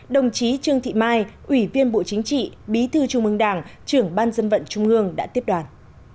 đồng chí trương thị mai ủy viên bộ chính trị bí thư trung ương đảng trưởng ban dân vận trung ương đã tiếp đoàn